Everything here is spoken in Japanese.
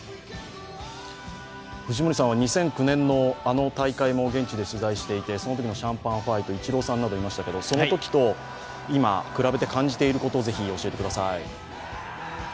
藤森さんは２００９年のあの大会も現地で取材していてそのときのシャンパンファイト、イチローさんなどいましたけどそのときと、今、比べて感じていることをぜひ、教えてください。